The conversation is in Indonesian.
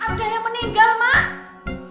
ada yang meninggal mak